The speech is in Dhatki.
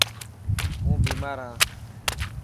هون بيمار هان.